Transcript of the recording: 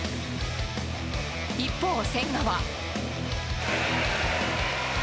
一方、千賀は。